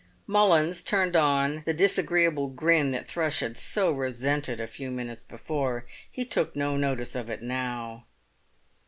Mullins turned on the disagreeable grin that Thrush had so resented a few minutes before; he took no notice of it now.